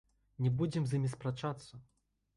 Не будзем з імі спрачацца.